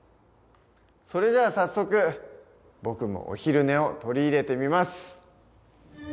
それじゃあ早速僕もお昼寝を取り入れてみます。